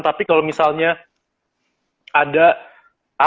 tapi kalau misalnya ada apa ya permintaan